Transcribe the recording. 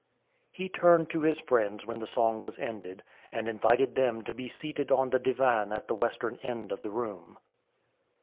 He turned to his friends when the song was ended, and invited them to be seated on the divan at the western end of the room.